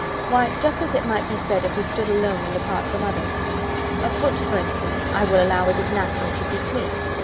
Why, just as it might be said if we stood alone and apart from others. A foot, for instance, I will allow it is natural should be clean.